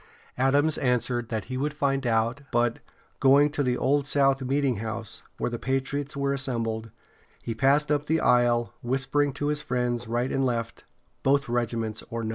Adams answered that he would find out, but, going to the Old South Meetinghouse, where the patriots were assembled, he passed up the aisle, whispering to his friends right and left: "Both regiments or none."